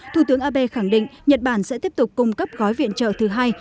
thủ tướng abe khẳng định nhật bản sẽ tiếp tục cung cấp gói viện trợ thứ hai